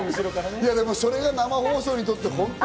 それが生放送にとって、本当に。